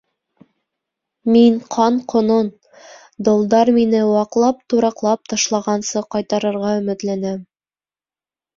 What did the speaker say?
— Мин ҡан ҡонон... долдар мине ваҡлап-тураҡлап ташлағансы ҡайтарырға өмөтләнәм.